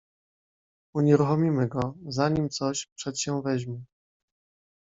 "Unieruchomimy go, zanim coś przedsięweźmie."